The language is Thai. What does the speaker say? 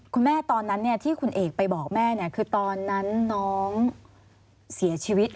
คุณแม่ตอนนั้นเนี่ยที่คุณเอกไปบอกแม่เนี่ยคือตอนนั้นน้องเสียชีวิต